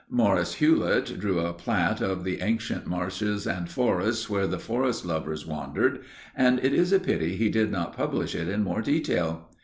Maurice Hewlett drew a plat of the ancient marches and forests where the Forest Lovers wandered, and it is a pity he did not publish it in more detail.